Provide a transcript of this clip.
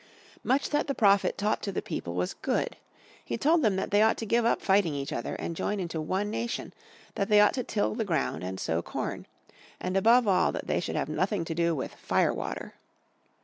Much that the Prophet taught to the people was good. He told them that they ought to give up fighting each other, and join together into one nation, that they ought to till the ground and sow corn; and above all that they should have nothing to do with "fire water."